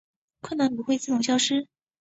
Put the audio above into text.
困难不会自动消失